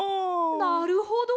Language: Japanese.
なるほど！